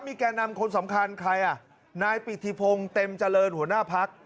มีแก่นำคนสำคัญใครอ่ะนายปิติพงศ์เต็มเจริญหัวหน้าพัก